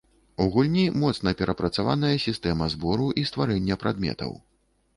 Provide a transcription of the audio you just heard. У гульні моцна перапрацаваная сістэма збору і стварэння прадметаў.